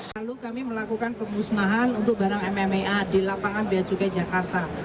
lalu kami melakukan pemusnahan untuk barang mma di lapangan beacukai jakarta